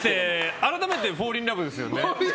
改めてフォーリンラブですよね。